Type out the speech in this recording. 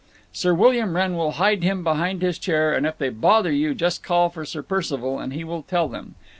Sir William Wrenn will hide him behind his chair, and if they bother you just call for Sir Percival and he will tell them.